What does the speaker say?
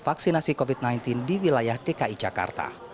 vaksinasi covid sembilan belas di wilayah dki jakarta